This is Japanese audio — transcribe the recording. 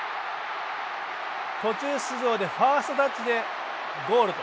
途中出場でファーストタッチでゴール。